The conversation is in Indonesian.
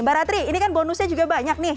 mbak ratri ini kan bonusnya juga banyak nih